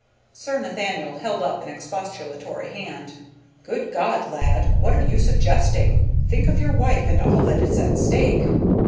Sir Nathaniel held up an expostulatory hand. "Good God, lad, what are you suggesting? Think of your wife, and all that is at stake."